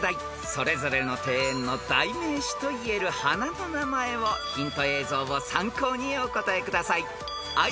［それぞれの庭園の代名詞といえる花の名前をヒント映像を参考にお答えください］